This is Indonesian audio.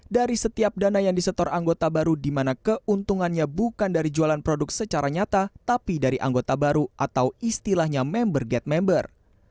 dari setiap dana yang disetor anggota baru di mana keuntungannya bukan dari jualan produk secara nyata tapi dari anggota baru atau istilahnya member get member